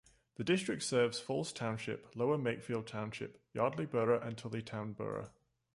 The district serves Falls Township, Lower Makefield Township, Yardley Borough, and Tullytown Borough.